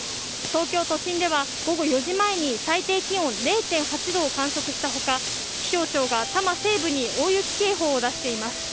東京都心では午後４時前に、最低気温０．８度を観測したほか、気象庁が多摩西部に大雪警報を出しています。